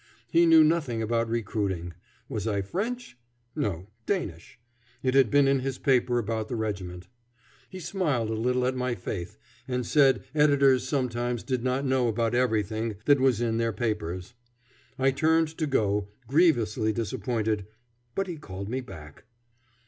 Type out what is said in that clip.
He knew nothing about recruiting. Was I French? No, Danish; it had been in his paper about the regiment. He smiled a little at my faith, and said editors sometimes did not know about everything that was in their papers. I turned to go, grievously disappointed, but he called me back.